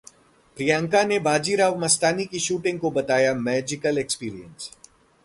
प्रियंका ने 'बाजीराव मस्तानी' की शूटिंग को बताया मैजिकल एक्सपीरियंस